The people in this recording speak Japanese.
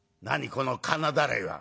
この金だらいは？」。